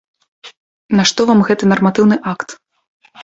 Нашто вам гэты нарматыўны акт?